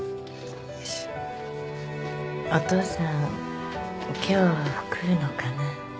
お父さん今日来るのかな。